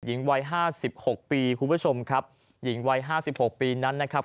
หญิงวัยห้าสิบหกปีคุณผู้ชมครับหญิงวัยห้าสิบหกปีนั้นนะครับ